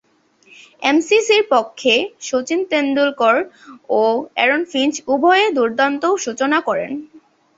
এমসিসি’র পক্ষে শচীন তেন্ডুলকর ও Aaron Finch উভয়েই দূর্দান্ত সূচনা করেন।